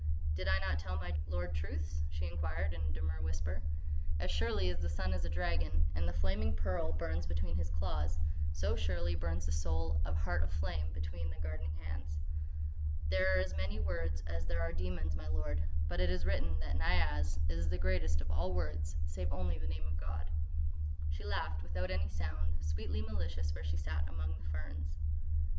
"Did I not tell my lord truths?" she inquired in a demure whisper. "As surely as the sun is a dragon, and the flaming pearl burns between his claws, so surely burns the soul of Heart of Flame between thy guarding hands. There are as many words as there are demons, my lord, but it is written that Niaz is the greatest of all words save only the name of God." She laughed without any sound, sweetly malicious where she sat among the ferns.